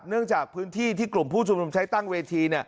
เนื่องจากพื้นที่ที่กลุ่มผู้ชุมนุมใช้ตั้งเวที